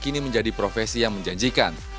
kini menjadi profesi yang menjanjikan